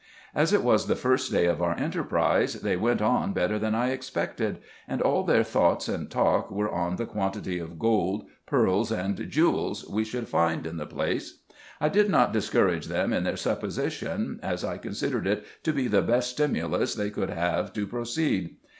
As it was the first day of our enterprise, they went on better than I expected ; and all their thoughts and talk were on IN EGYPT, NUBIA, Sec. 95 the quantity of gold, pearls, and jewels, we should find in the place. I did not discourage them in their supposition, as I considered it to be the best stimulus they could have to proceed.